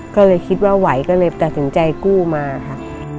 ก็เลยคิดว่าไหวก็เลยตัดสินใจกู้มาค่ะ